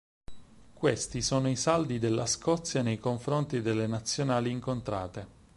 Questi sono i saldi della Scozia nei confronti delle Nazionali incontrate.